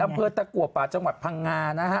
อำเภอตะกว่าป่าจังหวัดพังง่ายาห์